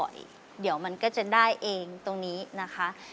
เดี๋ยวมันก็จะได้เองตรงนี้นะคะ